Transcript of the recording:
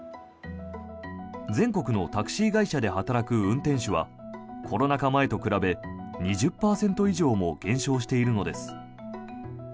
全国のタクシー会社で働く運転手は、コロナ禍前と比べ２０％以上も減少しているのです。